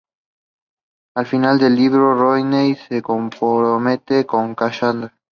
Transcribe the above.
Al final del libro, Rodney se compromete con Cassandra.